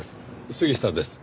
杉下です。